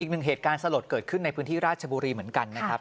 อีกหนึ่งเหตุการณ์สลดเกิดขึ้นในพื้นที่ราชบุรีเหมือนกันนะครับ